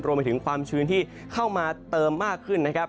รวมไปถึงความชื้นที่เข้ามาเติมมากขึ้นนะครับ